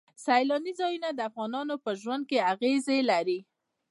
سیلاني ځایونه د افغانانو په ژوند اغېزې لري.